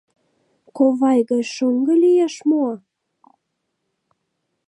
— Ковай гай шоҥго лиеш мо?